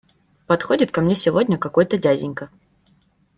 Подходит ко мне сегодня какой-то дяденька.